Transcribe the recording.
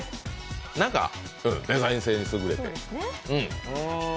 何かデザイン性に優れている。